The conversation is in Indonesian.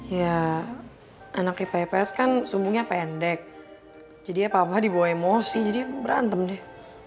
ya anaknya pps kan sumbungnya pendek jadi ya papa dibawa emosi jadi berantem deh